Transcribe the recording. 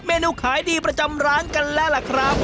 เนนูขายดีประจำร้านกันแล้วล่ะครับ